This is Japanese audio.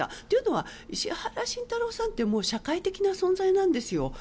というのは石原慎太郎さんって社会的な存在なんですよ。